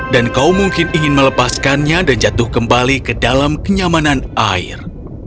dan kau mungkin ingin melepaskannya dan jatuh kembali ke dalam kenyamanan air